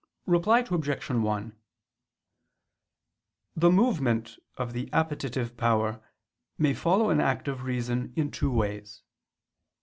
Reply Obj. 1: The movement of the appetitive power may follow an act of reason in two ways.